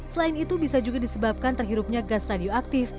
selain itu bisa juga disebabkan terhirupnya gas radioaktif